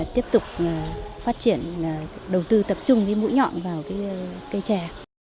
tiếp tục phát triển đầu tư tập trung với mũ nhọn vào cây trè